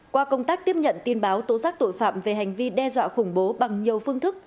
qua công tác tiếp nhận tin báo tố giác tội phạm về hành vi đe dọa khủng bố bằng nhiều phương thức